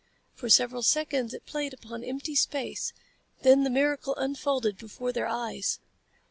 For several seconds it played upon empty space, then the miracle unfolded before their eyes.